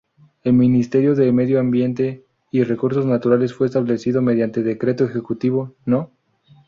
El Ministerio de Medio Ambiente y Recursos Naturales fue establecido mediante Decreto Ejecutivo no.